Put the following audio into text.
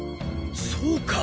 そうか。